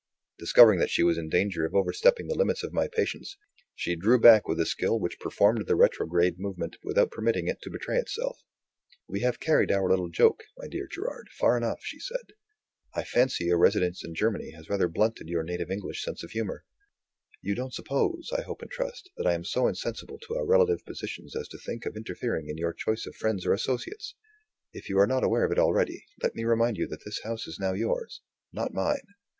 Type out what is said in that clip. Discovering that she was in danger of overstepping the limits of my patience, she drew back with a skill which performed the retrograde movement without permitting it to betray itself. "We have carried our little joke, my dear Gerard, far enough," she said. "I fancy your residence in Germany has rather blunted your native English sense of humor. You don't suppose, I hope and trust, that I am so insensible to our relative positions as to think of interfering in your choice of friends or associates. If you are not aware of it already, let me remind you that this house is now yours; not mine.